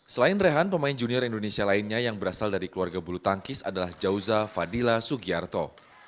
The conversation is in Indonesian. selain rehan pemain junior indonesia lainnya yang berasal dari keluarga bulu tangkis adalah jauza fadila sugiarto